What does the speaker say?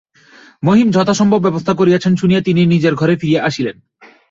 মহিম যথাসম্ভব ব্যবস্থা করিয়াছেন শুনিয়া তিনি নিজের ঘরে ফিরিয়া আসিলেন।